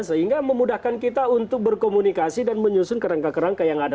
sehingga memudahkan kita untuk berkomunikasi dan menyusun kerangka kerangka yang ada